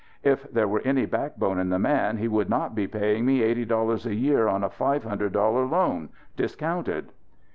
"If there were any backbone in the man he would not be paying me eighty dollars a year on a five hundred dollar loan discounted."